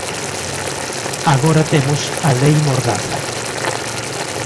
Agora temos a Lei Mordaza...